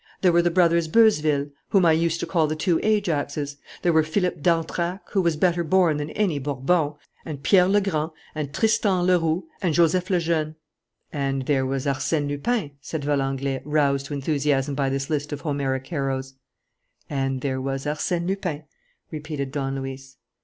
There were the brothers Beuzeville, whom I used to call the two Ajaxes. There were Philippe d'Antrac, who was better born than any Bourbon, and Pierre Le Grand and Tristan Le Roux and Joseph Le Jeune." "And there was Arsène Lupin," said Valenglay, roused to enthusiasm by this list of Homeric heroes. "And there was Arsène Lupin," repeated Don Luis.